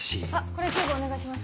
これ１０部お願いします。